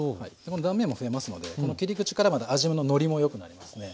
この断面も増えますのでこの切り口からまた味ののりもよくなりますね。